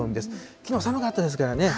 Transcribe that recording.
きのう寒かったですからね。